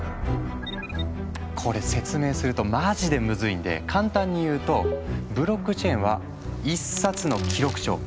これ説明するとマジでムズいんで簡単に言うとブロックチェーンは１冊の記録帳。